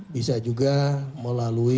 bisa juga melalui